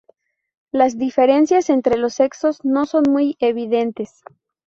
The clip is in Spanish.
Las diferencias entre los sexos no son muy evidentes.